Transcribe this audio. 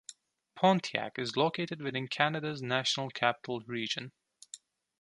Pontiac is located within Canada's National Capital Region.